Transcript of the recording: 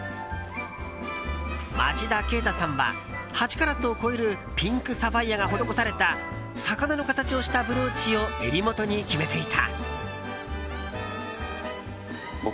町田啓太さんは８カラットを超えるピンクサファイアが施された魚の形をしたブローチを襟元に決めていた。